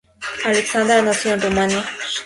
Alexandra nació en Rumania.